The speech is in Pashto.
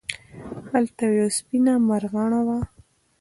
هلته یوه سپېنه مرغانه وه.